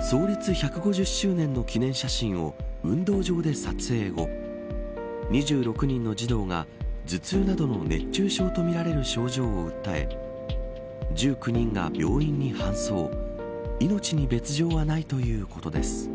創立１５０周年の記念写真を運動場で撮影後、２６人の児童が頭痛などの熱中症とみられる症状を訴え１９人が病院に搬送命に別条はないということです。